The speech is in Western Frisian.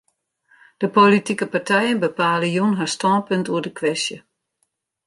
De politike partijen bepale jûn har stânpunt oer de kwestje.